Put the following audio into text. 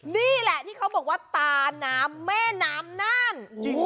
นี่แหละที่เขาบอกว่าตาน้ำแม่น้ำน่าน